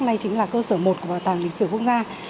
nay chính là cơ sở một của bảo tàng lịch sử quốc gia